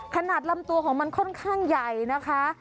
ลำตัวของมันค่อนข้างใหญ่นะคะ